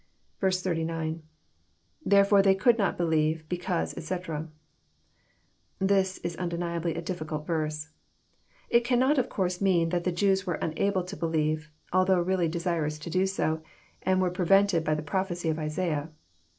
89. — ITTierefore they could not believe, becausey etc.'] This is un deniably a difficult verse. It cannot of course mean that the Jews were unable to believe, although really desirous to do so, and were prevented by the prophecy of Isaiah.